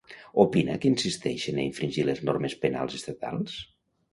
Opina que insisteixen a infringir les normes penals estatals?